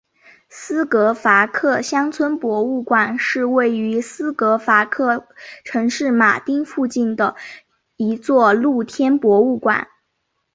斯洛伐克乡村博物馆是位于斯洛伐克城市马丁附近的一座露天博物馆。